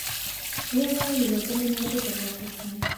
زه غواړم د بدن انرژي ترلاسه کړم.